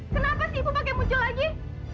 kenapa sih ibu pakai muncul lagi